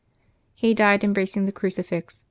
He died embracing the crucifix.